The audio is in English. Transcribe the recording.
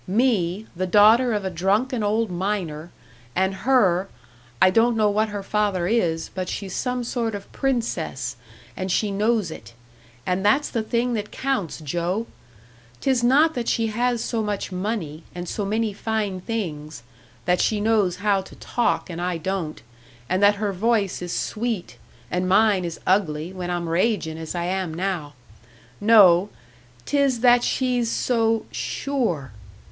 Me, the daughter of a drunken old miner, and her I don't know what her father is, but she's some sort of princess, and she knows it. And that's the thing that counts, Joe! 'Tis not that she has so much money, and so many fine things; that she knows how to talk, and I don't, and that her voice is sweet, and mine is ugly, when I'm ragin' as I am now. No 'tis that she's so _sure!